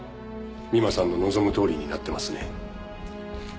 美馬さんの望むとおりになってますね。